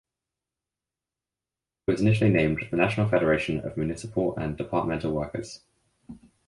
It was initially named the National Federation of Municipal and Departmental Workers.